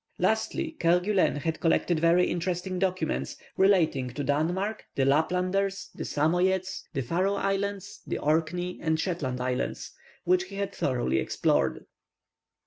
Lastly, Kerguelen had collected very interesting documents, relating to Denmark, the Laplanders, the Samoyedes, the Faroe Islands, the Orkney and Shetland Islands, which he had thoroughly explored.